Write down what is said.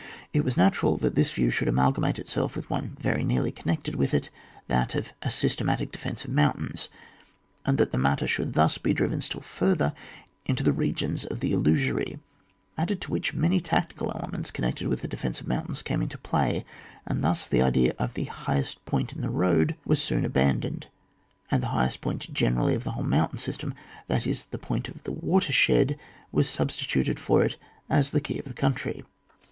It was natural that this view should amalgamate itself with one very nearly connected with it, that of a systematic defence of mountains^ and that the matter should thus be driven still further into the regions of the illusory; added to which many tactical elements connected with the defence of mountains came into play, and thus the idea of the highest point in the road was soon abandoned, and the highest point generally of the whole mountain system, that is the point of the tcatershedf was substituted for it as the key of the country.